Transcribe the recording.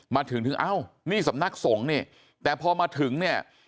มาถึงถึงเอ้านี่สำนักสงฆ์นี่แต่พอมาถึงเนี่ย